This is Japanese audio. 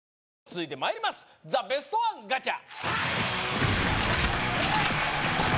続いてまいりますザ・ベストワンガチャ！